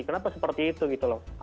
kenapa seperti itu gitu loh